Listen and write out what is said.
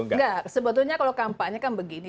enggak sebetulnya kalau kampanye kan begini